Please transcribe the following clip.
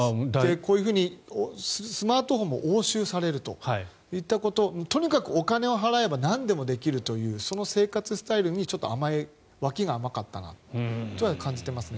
こういうふうにスマートフォンも押収されるといったこととにかくお金を払えばなんでもできるというその生活スタイルに脇が甘かったなと感じていますね。